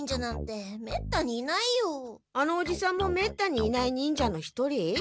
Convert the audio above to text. あのおじさんもめったにいない忍者の一人？